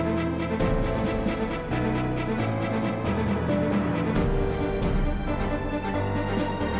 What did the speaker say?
masih dapet a args